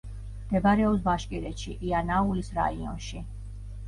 მდებარეობს ბაშკირეთში, იანაულის რაიონში.